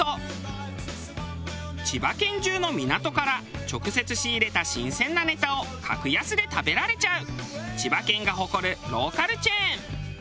千葉県中の港から直接仕入れた新鮮なネタを格安で食べられちゃう千葉県が誇るローカルチェーン。